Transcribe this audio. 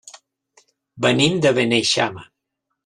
Venim de Beneixama.